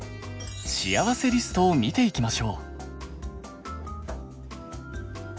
しあわせリストを見ていきましょう。